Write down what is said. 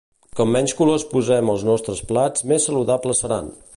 Com menys colors posem als nostres plats més saludables seran!